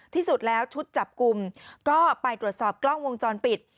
ที่สุดแล้วชุดจับกลุ่มก็ไปตรวจสอบกล้องวงจรปิด